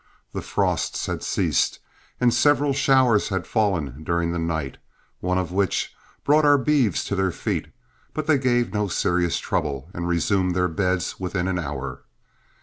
The frosts had ceased, and several showers had fallen during the night, one of which brought our beeves to their feet, but they gave no serious trouble and resumed their beds within an hour.